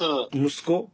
息子？